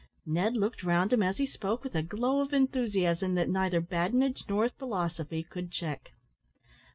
Ned looked round him as he spoke, with a glow of enthusiasm that neither badinage nor philosophy could check.